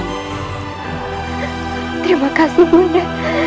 terima kasih nda